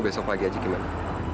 besok pagi aja gimana